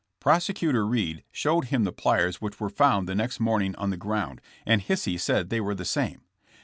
Prosecutor Reed showed him the pliers which were found the next morning on the ground, and Hisey said they were the same.